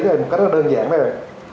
một cách rất đơn giản đây rồi